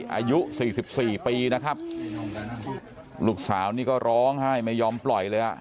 อายุสี่สิบสี่ปีนะครับลูกสาวนี่ก็ร้องไห้ไม่ยอมปล่อยเลยอ่ะ